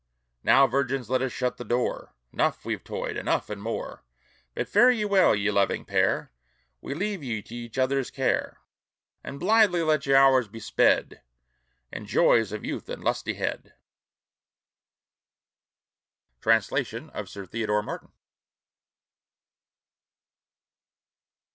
Now, virgins, let us shut the door! Enough we've toyed, enough and more! But fare ye well, ye loving pair, We leave ye to each other's care; And blithely let your hours be sped In joys of youth and lustyhed! Translation of Sir Theodore Martin.